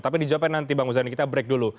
tapi dijawabkan nanti bang muzani kita break dulu